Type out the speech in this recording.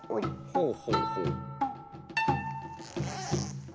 ほうほうほう。